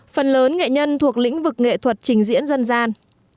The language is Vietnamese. phần lớn nghệ nhân thuộc lĩnh vực nghệ thuật trình diễn dân gian